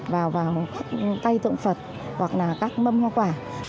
vào vào các cây tổng phật hoặc là các mâm hoa quả